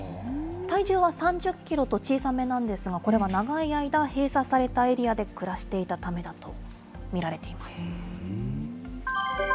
体重は３０キロと小さめなんですが、これは長い間、閉鎖されたエリアで暮らしていたためだと見られています。